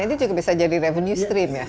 nah itu juga bisa jadi revenue stream ya